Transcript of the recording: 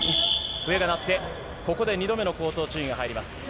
笛が鳴って、ここで２度目の口頭注意が入ります。